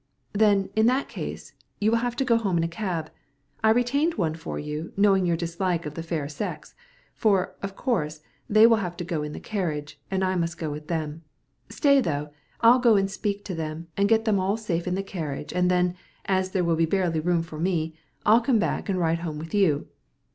"Then, in that case, you will have to go home in a cab. I retained one for you, knowing your dislike to the fair sex; for, of course, they will have to go in the carriage, and I must go with them. Stay, though. I'll go and speak to them, and get them all safe in the carriage, and then, as there will be barely room for me, I'll come back and ride home with you."